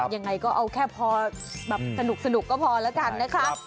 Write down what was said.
ยังไงก็เอาแค่พอแบบสนุกก็พอแล้วกันนะคะ